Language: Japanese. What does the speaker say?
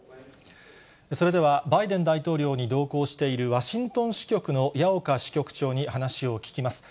それではバイデン大統領に同行しているワシントン支局の矢岡支局長に話を聞きます。